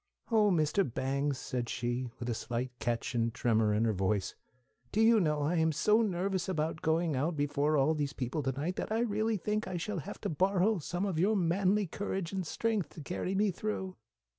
"Oh, Mr. Bangs," said she, with a slight catch and tremor in her voice, "do you know I am so nervous about going out before all those people to night that I really believe I shall have to borrow some of your manly courage and strength to carry me through!"